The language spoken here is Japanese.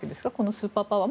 「スーパーパワー」。